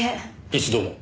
一度も？